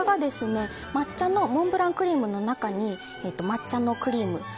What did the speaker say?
抹茶のモンブランクリームの中に抹茶のクリーム